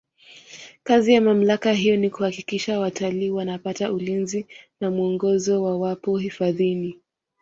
kazi ya mamlaka hiyo ni kuhakikisha watalii wanapata ulinzi na mwongozo wawapo hifadhini